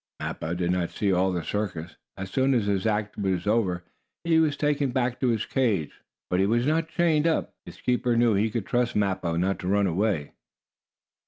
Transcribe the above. Mappo did not see all the circus. As soon as his act was over, he was taken back to his cage, but he was not chained up. His keeper knew he could trust Mappo not to run away.